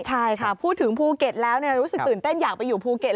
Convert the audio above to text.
ใช่ค่ะพูดถึงภูเก็ตแล้วรู้สึกตื่นเต้นอยากไปอยู่ภูเก็ต